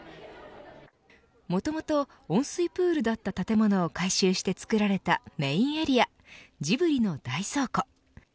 もともと温水プールだった建物を改修して造られたメーンエリア、ジブリの大倉庫。